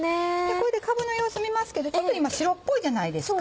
これでかぶの様子見ますけど今白っぽいじゃないですか。